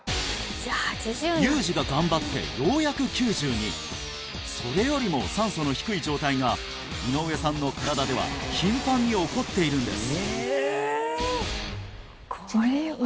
ユージが頑張ってようやく９２それよりも酸素の低い状態が井上さんの身体では頻繁に起こっているんです